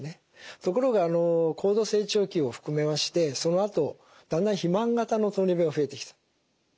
ところが高度成長期を含めましてそのあとだんだん肥満型の糖尿病が増えてきている。